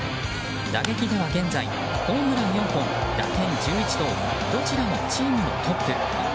打撃では現在ホームラン４本、打点１１とどちらもチームのトップ。